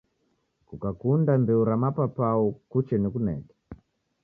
Kukakunda mbeu ra mapapau kuche nikuneke